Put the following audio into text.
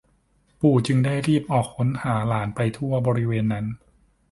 ปู่จึงได้รีบออกค้นหาหลานไปทั่วบริเวณนั้น